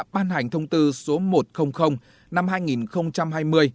ban hành thông tư số một trăm linh năm hai nghìn hai mươi